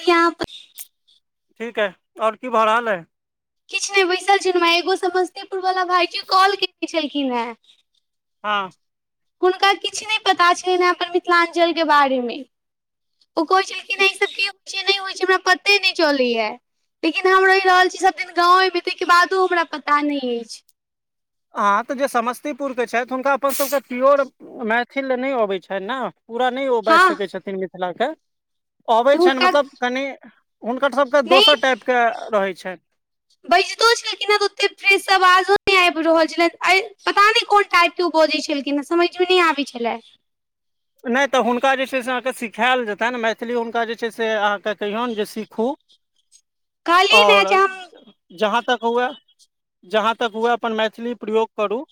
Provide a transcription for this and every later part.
कियाप ठीक ऐ और की भऽ रहल ऐ किछ नहि बैसल छलौंहा एगो समस्तीपुर वाला भाई के कॉल केने छलखिन हेँ हँ हुनका किछ नहि पता छलनिहे अपन मिथिलाञ्चलके बारेमे ओ कहै छलखिन हें ई सब की होइ छै नहि होइ छै हमरा पते नहि चलैया लेकिन हम रहि रहल छी सभ दिन गाँवेमे ताहिके बादो हमरा पता नहि अछि अँ तऽ जे समस्तीपुरके छथि हुनका अपनसभके प्योर मैथिल नहि अबैत छनि ने पूरा नहि ओ बाजि हँ सकैत छथिन ओ मिथिलाके अबै तऽ छनि हुनका मतलब कनि हुनकर सभके नहि दोसर टाइपके रहै छनि बजितो छलखिन हँऽ ओते फ्रेश स आवाजो नहि आबि रहल छलैन पता नहि कोन टाइप तू बोजै छलखिन ह समझमे नहि आबै छलै नहि तऽ हुनका जे छै से अहाँकेँ सिखायल जेतनि मैथिली हुनका जे छै से अहाँके कहियौन जे सिखू कहलियै ने आओर जे हम जहाँ तक हुए जहाँ तक हुए अपन मैथिली प्रयोग करू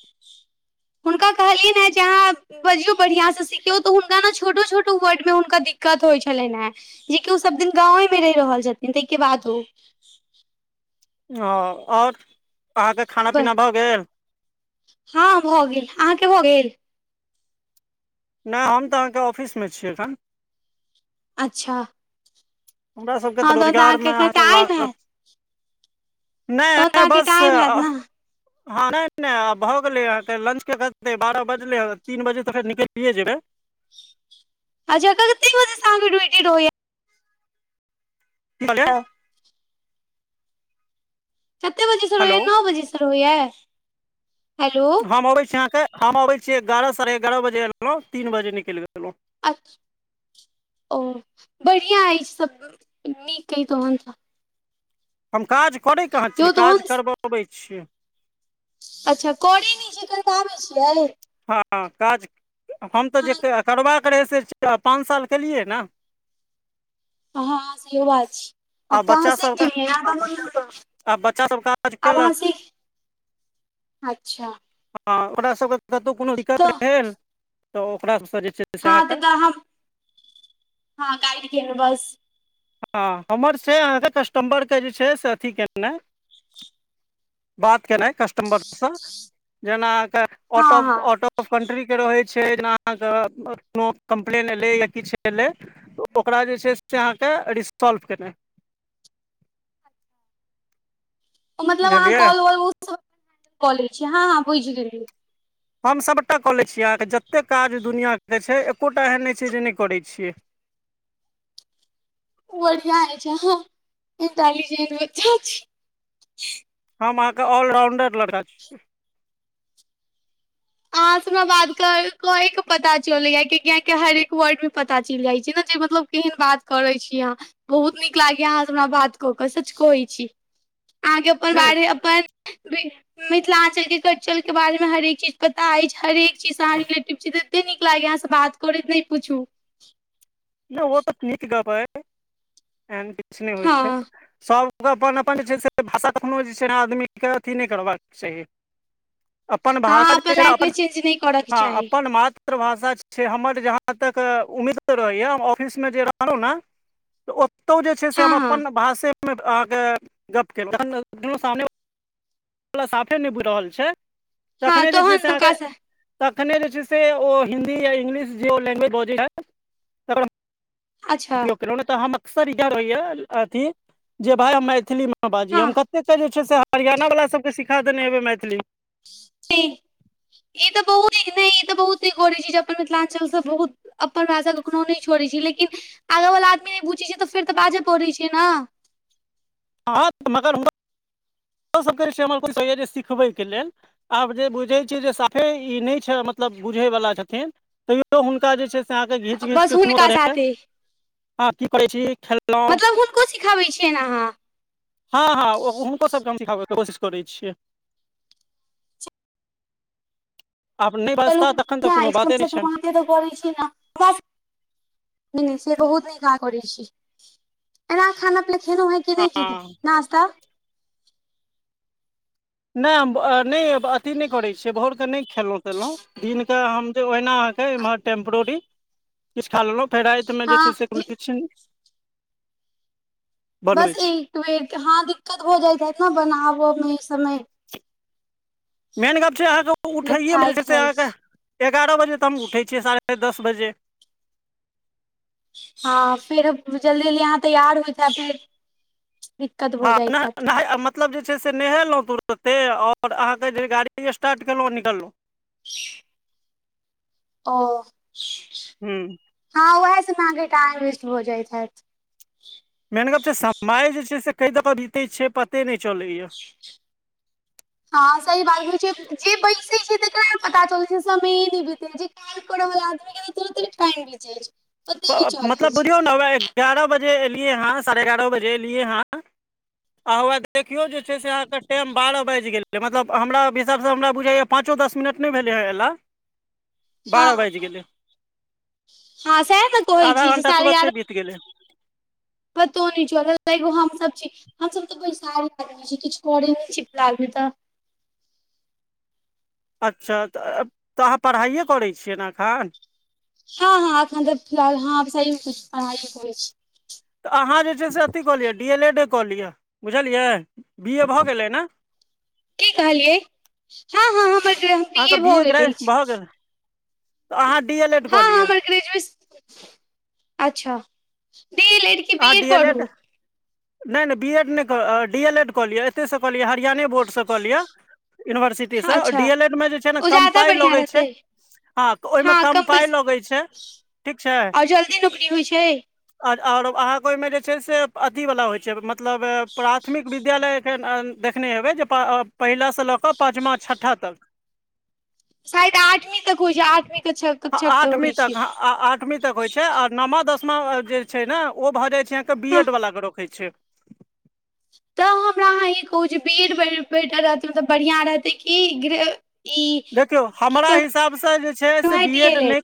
हुनका कहलनि हे जे अहाँ बजियौ बढ़ियां स सिखियौ तऽ हुनका ने छोटो छोट वर्ड मे हुनका दिक्कत होइ छलनि हेँ जे कि ओ सब दिन गाँंवे में रहि रहल छथिन ताहिके बादो हँ आओर अहाँके खाना पीना भऽ गेल हँ भऽ गेल अहाँके भऽ गेल नहि हम तऽ अहाँके ऑफिसमे छीयै एखन अच्छा हमरा सभके तऽ हँ तहन अहाँके रोजगारमे एखन अहाँ टाइम लागत हैत तहन तऽ नहि अहाँके बस टाइम हैत ने हँ नहि नहि आब भऽ गेलै अहांके लंच करतै बारह बजलै तीन बजे त फेर निकलिये जेबै अच्छा कत्ते बजे स अहाँ के ड्यूटी रहैया की कहालिये कते बजेसँ हेलो रहैया नओ बजेसँ रहैया हेलो हम अबै छी अहाँके हम अबै छी एगारह साढ़े एगारह बजे एलहुँ तीन बजे निकइल गेलहुँ अच्छा ओ बढ़िया अछि सब नीक ऐ तहन त हम काज करै कहाँ यौ छियै काज तहन करबबै छियै अच्छा करै नै छियै करबाबै छियै हँ काज हम तऽ जे हँ करबाक जे रहै से पाँच साल केलियै ने हं सेहो बा छी आ आब तऽ आहाँ बच्चा सीख सबके गेलियै, आ बच्चा सब काज आब आहाँ केलक सीख अच्छा हँ ओकरा सबके कतहु कोनो दिक्कत तऽ भेल तऽ ओकरा स जे छै से हँ त अहाँके तोरा हम [unintelligible] गेल बस हँ हमर छै अहाँके कस्टमरके जे छै से अथी केनाइ बात केनाइ कस्टमर स जेना क हँ आउट ऑफ हँ आउट ऑफ कन्ट्री के रहै छै जेना अहाँके कोनो कम्प्लेन एलै या किछ एलै ओकरा जे छै से अहाँके रिसोल्व केनाइ मतलब अहाँ बुझलियै कॉलवाॅल, कऽ लै छियै हँ हँ बुइझ गेलियै हम सभटा कऽ लै छीयै अहाँके जतेक काज दुनिआँके छै एकोटा एहन नहि छै जे नै करै छियै खूब बढ़ियाँ अइछ कहां इन्टेलिजेंट बच्चा छी हम अहाँके ऑलराउंडर लड़का छी अहाँ से हमरा बात कए क पता चलै या कि गेके हरएक वर्ड मे पता चैल जाइ छै ने जे मतलब केहन बात करै छी अहाँ बहुत नीक लागैया अहाँसँ हमरा बात कऽ कऽ सच कहै छी अहाँके अप्पन नहि बारे अपन मिथिलांचल के कल्चर के बारेमे हरेक चीज पता अछि हरेक चीजसँ अहाँ रिलेटिव छी तऽ एते नीक लागैए अहाँसँ बात करैत नहि पूछू तऽ ओ तऽ नीत गप अइ एहन किछ नहि होइ हँ छै सब ओ अपन अपन जे छै से भाषा कखनो जे छै आदमीकेँ अथी नहि करबाक चाही अपन भाषा अहाँ जे छै न अपन लैंग्वेज चेंज नहि करऽ के हँ चाही अपन मा तृ भाषा छै हमर जहाँ तक उम्मीद रहैयऽ ऑफिस मे जे रहलहुँ ने, तऽ ओतहु जे छै से हँ हम हँ अपन भाषे मे अहाँके गप केलो तहत ने दुनु सामने सामने नहि बुइ रहल छै हँ तखने जे छै से तहन अहाँके ओकरा तखने जे छै से ओ हिन्दी या इंग्लिश जे ओ लैंग्वेज बजैया अच्छा उपयोग केलहु नहि तऽ हम अक्सर इएह रहेये अथी जे भाई हम मैथिली मे बाजी हँ हम कते के जे छै से हरियाणावला सबकेँ सिखा देने हेबै मैथिली ई तऽ बहुत नहि ई तऽ बहुत करै छी जे अपना मिथिलाञ्चलसँ बहुत अपन भाषा कखनो नहि छोड़ै छी लेकिन आगा वला आदमी नहि बूझै छै तऽ फेर तऽ बाजय पड़ै छै ने हँ मगर [unintelligible] सिखबैके लेल आब जे बुझै छियै जे साफे ई नहि छै मतलब बुझय वला छथिन तैयो हुनका जे छै अहाँके घीच घीच बस के कोनो हुनका तरहे साथे हं की करै छी खेल्लौं को सिखाबै छियैनि आहाँ हँ हँं हुनको सभके हम सिखाबैके कोशिश करै छियै आब नहि चलू बाजता तखन तऽ बढ़िया कोनो अछि कम बाते नहि कम छनि अहाँके से तऽ करै छी न हमरा से बहुत नीक आहाँ करै छी एना खाना पीना खेलौंहें कि नै खेलौ हँ नास्ता नहि हम नहि अथी नहि करै छियै भोरकेऽ नहि खेलहुँ तेलहुँ दिनके हम ओहिना अहाँके एमहर टेम्परोरी किछ खा लेलहुँ फेर रातिमे जे हँ छै से किछ बस एक बेर के हँ दिक्कत भ जाइत हैत ने बनाबऽ मे ऐ समे मेन गप छै अहाँके लोक उठैएमे जे थाकि छै से जाइ अहाँके एगारह बजे त हम उठै छियै साढ़े दस बजे हँ फेर जल्दी जल्दी आहाँ तैयार होइत हैब फेर दिक्कत हँ भऽ जाइत हैत [unintelligible] मतलब जे छै से नहेलहुँ तुरते आओर अहाँके जे गाड़ी स्टाट केलहुँ निकलहुँ [unintelligible] ओ हू हँ उहे समे आहां के टाइम बेस्ट भऽ जाइत हेऽत मेन गप छै समय जे छै से कई द के बीते छै पते नहि चले या [unintelligible] हँ सही बात होइ छै जे बैसे छै तकरा नय पता चल छै समय नहि बीतै छै [unintelligible] चलै मतलब छै [unintelligible] सवा एगारह बजे एलियै हँ साढ़े एगारह बजे एलियै हँ आ हौवा देखियो जे छै से अहाँ के टेम बारह बाजि गेल जे मतलब हमरा हिसाब सँ हमरा बुझाए पाँचो दस मिनट नहि भेलै हँ अयला हँ बारह बाईज गेलय हँ सएह नऽ कहय छी सारे ग्यार फिर पतो नै चलल तयो हम सब छी हमसभ तऽ बैसारी आदमी छी किछ करे नहि छी फिलहाल में तऽ अच्छा तऽ तऽ अहाँ पढ़ाइए करै छियै ने एखन हँ हँं एखन तऽ फिलहाल हँ सही कहे छी पढ़ाइ करै छी तऽ अहाँ जे छै से अथी कऽ लिअ डी एल एड ए कऽ लिअ बुझलियै बी ए भऽ गेलै ने की कहलियै हँ हँ हमर [unintelligible] ज ह अहाँके बीए बी भऽ ए ग्रे गेल अछि भऽ गेल अहाँ डी एल एड कऽ लिअ [unintelligible] अच्छा डी एल एड के बी आहां डी एल करू एड नहि नहि बी एड नहि क डी एल एड कऽ लियअ एतहिसँ कऽ लियअ हरियाणे बोर्डसँ कऽ लिअ यूनिवर्सिटी हँ से और अच्छा डी एल एड मे जे छै ने ओ कम ज्यादा पाय बढ़िआँ लगै छै रहतै हँ तऽ ओहिमे कम पाइ लगैत छै ठीक छै आओर जल्दी नौकरी होइ छै आओर और अहाँके ओहिमे जे छै से अथीवला होइ छै मतलब प्राथमिक विद्यालय फेर देखने हेबै जे प पहिला सँ लऽ केऽ पाँचमा छठा तक शायद आठवीं तक होइ छै आठवीं क छ आठवीं तक ह आठवीं तक होइ छै आ नमा दसमा जे छै ने ओ भऽ जाय छै कियेक तऽ बी हँ एड वला के रोखय छै यौ हमरा अहाँ ई कहू जे बी एड बेटर रहतै मतलब बढ़िआँ रहतै कि गृ देखियौ हमरा हिसाबसँ जे छै से हें बी डी एड एल नय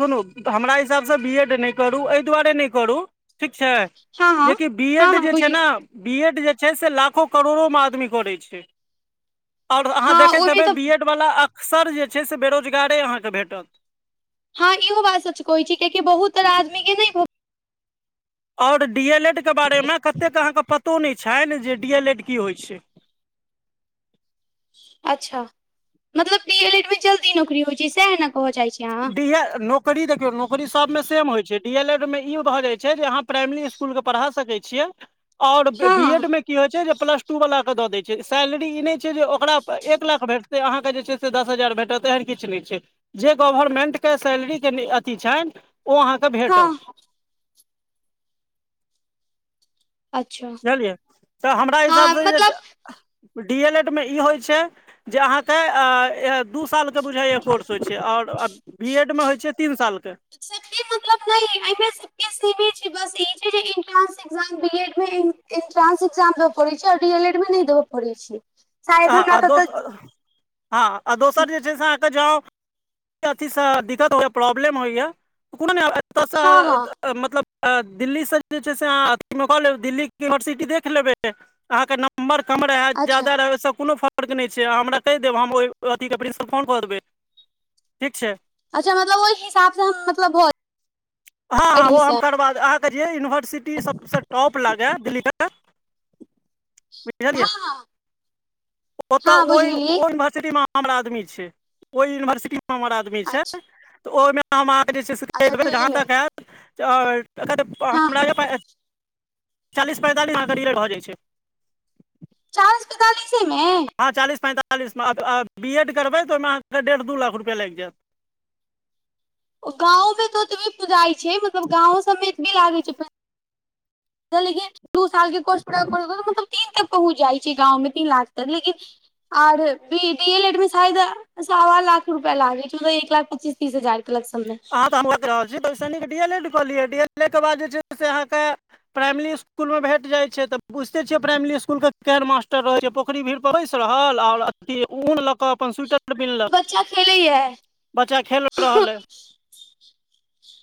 सुनू हमरा हिसाबसँ बी एड नहि करू एहि दुआरे नहि करू ठीक छै हँ हँ जे कि बी हँ एड हँ जे छै बुझली ने बी एड जे छै से लाखो करोड़ो मे आदमी करै छै आओर अहाँ हँ देखैत ओहिमे हेबै बी तऽ एड वला अक्सर जे छै से बेरोजगारे अहाँके भेटत हँ इहो बात सच कहै छी कियाकि बहुतर आदमी के नहि भ आओर डी एल एड के बारे मे कतेक अहाँके पतो नहि छैन जे डी एल एड की होइ छै अच्छा मतलब डी एल एड मे जल्दी नौकरी होइ छै सेएह न डीएऽ नोऽ नौकरी देखियौ नौकरी सब मे सेम होय छै डी एल एड मे ई भऽ जाय छै जे अहाँ प्राइमली स्कूल के पढ़ा सकै छी छीअ आओर बी हँ एड मे की होइ छै जे प्लस टू वाला के दऽ दै छै सैलरी ई नहि छै जे ओकरा एक लाख भेट से अहाँके जे छै से दस हजार भेटत एहन किछ नहि छै गोभरमेन्ट के सैलरी जे नि अथी छैन ओ अहाँके हँ भेटत हँ अच्छा बुझलियै तऽ हमरा हँ हिसाबसे मतलब जे डी एल एड मे ई होइ छै जे अहाँके आऽ दू सालके बुझाइए कोर्स होइ छै आओर बी एड मे होइ छै तीन साल के [unintelligible] एग्जाम बी एड मे इन इंट्रांस एग्जाम देबऽ पड़ै छैय और डी एल एड मे नै देबऽ पड़ै छैय शायद आ दो हमरा [unintelligible] हँ आ दोसर जे छै से अहाँके जाउब अथी स दिक्कत होइया प्रॉब्लम होइया कोनो नै आब एतऽ हँ हँ सऽ मतलब आ दिल्लीसे जे छै से अहाँ अथीमे कऽ लेब दिल्लीे के यूनिवर्सिटी देख लेबै अहाँके नंबर कम रहै अच्छा जादा रहै ओय स ओय सॅं कोनो फर्क नै छै अहाँ हमरा कहि देब हम ओहि अथीके प्रिंस प फोन कऽ देबै ठीक छै अच्छा मतलब ओहि हिसाब से हम मतलब भ हँ हँं ओ हम करबा दे अहाँके जे यूनिवर्सिटी सबसेॅं टॉप लागे दिल्लीमे [inaudible] हँ ओतय हँ बुझि ओहि गेलियै ओय युन्वर्सिटीमे हमर आदमी छै ओय युन्वर्सिटीमे हमर आदमी आदमी छै अच्छा ओयमे हम अहाॅंके जे से छे अच्छा देखबै जहाॅं दिल्लीमे तक हेत हँ [unintelligible] [inaudible] चालीस पैंतालिसमें अहाँके डी लेड भऽ जाय छै चालीस पैंतालीसेमें हँ चालीस पैंतालिसमे आ आ बी एड करबै तऽ ओयमें अहाकेॅं डेढ़ दू लाख रुपैया लायग जायत गाँंव मे त ओतबी पुजाई छै मतलब गाँंव सब मे एतबी भी लागे छै लेकिन दू साल के कोर्स पूरा करैत करैत मतलब तीन तक पहुँच जाय छै गाँवमे तीन लाख तक लेकिन बी डि ए लेड मे शायद सावा लाख रुपया लागै छै ओना एक लाख पच्चीस तीस हजार के लमसममें त हम्म ओहै कैह रहल छी [unintelligible] सॅं नीक डी एल ऐड कऽ लियऽ डी एल ऐड के बाद जे छै से अहाँके प्राइमली स्कुल मे भेट जाय छै तऽ बुझते छियै प्राइमली स्कुल के केहन मास्टर रहै छै [unintelligible] बैस रहल आओर अथी ऊन लके अप्पन सुयटर बिनलक बच्चा खेले ये बच्चा खेल रहल अय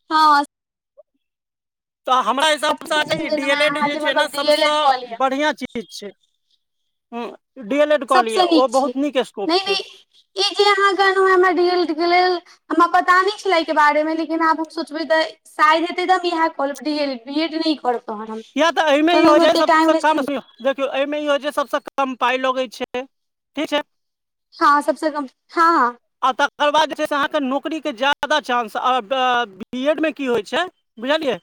हं हँ तऽ हमरा हिसाब से अहाॅंके इ डी एल एड अहाँ जे छै न मतलब डी एल एड कऽ सबसेॅं लिअ बढ़िया चीज [unintelligible] छै ऊं डी एल एड कऽ लिऽ सबसँ ओ बहुत नीक स्कोप छै इ जे आहाॅं कहलौ हमरा डीए लेड के लेल हमरा पता नै छलै अय के बारेमें लेकिन आब हम सोचबै शायद हेतै त हम इहेय क लेबै D L Ed B Ed नहि करबै किया तऽ अयमे ई होय छै ज सबसँ कम नहि दखियौ अयमे ई होय छै जे सबसँ कम पाय लगै छै ठीक छै हँ सबसेॅं कम हँ आ तकर बाद जे छै से अहाँके नौकरीके ज्यादा चांस आ ब बा बी एडमे की होय छै बुझलियै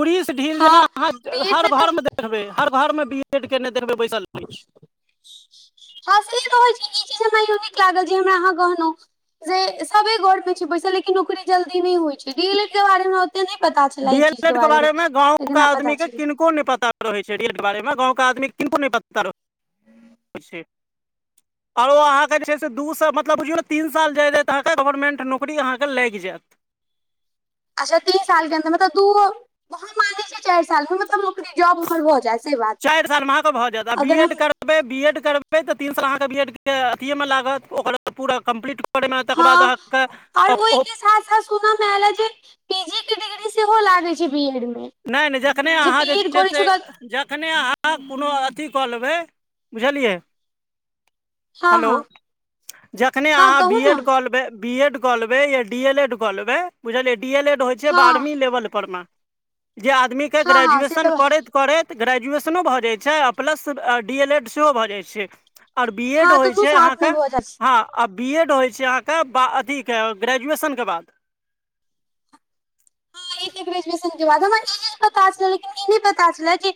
उड़ीस ढील जेना हँ अहाँ बीएड हर मे तऽ घरमें दखबै- [unintelligible] हर घरमे बी एड केयने देखबै बैसलै अछि हँ सेतऽ होय छै ई चीज हमरा नीक लागल जे हमरा अहाँ कहलौं जे सबे घरमे छै बैसल लेकिन नौकरी जल्दी नहि होय छै डी एल एड के बारेमें हम तैंय नै पता छलेए डी इ एल चीज के एड बारेमें बारे मे गाँव के लेकिन आब पता आदमी के चैल गेल किनको नै पता रहै छै डी एल एड के बारेमें गाँंव के आदमी के किनको नै पता रहै छै [unintelligible] आ ओर अहाँके जे छै से दू सा मतलब बुझियौ न तीन साल जायत जायत अहाँके गवर्नमेंट नौकरी अहाँके लायग जायत अच्छा तीन साल के अंदर मतलब दूओ हम माने छियै चारि सालमें मतलब नौकरी जॉब हम्मर भऽ जायत चारि सालमें अहाॅंके भऽ जायत आ बी एड कर बी एड करबै तऽ तीन साल अहाँके बी एड के अथियेमऽ लागत ओकर पूरा कम्प्लीट करैमे तकर बाद हँ आओर अहाँके ओ ओयके साथ - साथ सुनऽ में आयल जे पीजी के डिग्री सेहो लागे छै बी एड मे नै नै जखने अहाँ जे बीएड छै करै से ओकरा जखने अहाँ कोनो अथी कऽ लबै बुझलियै हँ हलो हँ जखने हँ अहाँ कहू बी ने एड कऽ लेबै बी एड कऽ लेबे या डी एल एड कऽ लेबे बुझलियै डी एल एड होय छै हँ बारहवीं लेवल पर में जे आदमी कऽ हँ हँ से ग्रेजुएशन तऽ करैत करैत ग्रेजुएशनो भऽ जाय छै आ प्लस डी एल एड सेहो भऽ जाय छै आओर बी एड हँ तऽ होय दू छै साथ अहाँके मे भऽ जाइ छै हँ आ बी एड होइ छै अहाँके अथीके ग्रेजुएशनकऽ बाद ह ई तऽ ग्रेजुएशन के बाद, हमरा ई चीज पता छल लेकिन ई नहि पता छलैय जे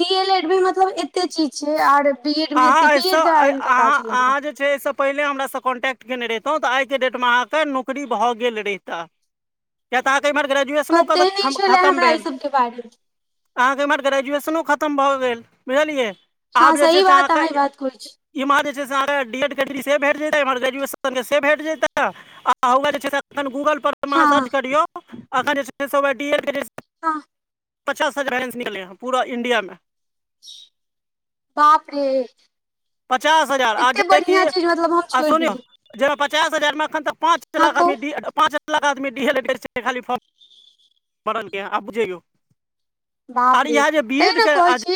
डी एल एड मे मतलब एते चीज छै आऔर बी एड मे एते, अहाँ बी एहिसँ एड के बारे मे पता अहाँ छलैय हमरा अहाँ जे एहिसँ पहिले हमरासँ कॉन्टेक्ट केयने रहितहुँ तऽ आइ के डेटमे अहाँके नौकरी भऽ गेल रहिता किया तऽ अहाँके इमहर ग्रेजुएशनो ख पते नहि छलै खतम हमरा ई भेल सबके बारेमे अहाँके एमहर ग्रेजुएशनो खतम भऽ गेल बुझलियै हँ आब जे छै सही से बात अहाँ ई अहाँके बात कहै छी इम्हर जे छै अहाँके डी एल एड के डिग्रीसे भेट जैत इमहर ग्रेजएशन कऽ से भेट जयतैय आ उहाय जे छै एखन गूगल पर मे अहाँ हँ सर्च करियौ एखन जे छै डी एल एड के हँ पचास हजार वैकैंसी निकल्लै हं पूरा इंडिया में बाप रे पचास हजार आ एते जे कि बढ़िया चीज मतलब हम अ छोड़ि सुनियो देली जाहिमे पचास हजार मऽ एखन तऽ पाँच हँ लाख कहू आदमी बी एड पाँच लाख आदमी डी एल एड कऽ चक्करमे फार्म भरलकै हन आब बुझ जाइयौ बाप आऔर रे ईहाय जऽ बी तै एड ने कहै केँ छी